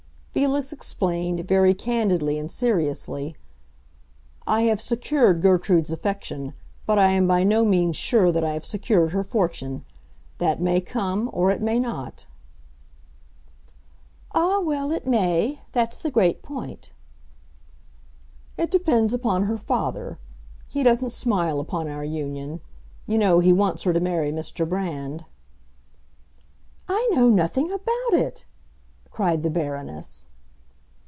Felix explained, very candidly and seriously. "I have secured Gertrude's affection, but I am by no means sure that I have secured her fortune. That may come—or it may not." "Ah, well, it may! That's the great point." "It depends upon her father. He doesn't smile upon our union. You know he wants her to marry Mr. Brand." "I know nothing about it!" cried the Baroness.